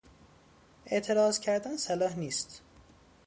اعتراض کردن صلاح نیست.